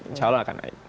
insya allah akan naik